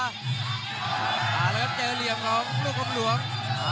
มาแล้วครับเจอเหลี่ยมของลูกอำรวง